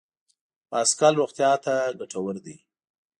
بایسکل روغتیا ته ګټور دی.